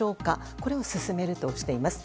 これを進めるとしています。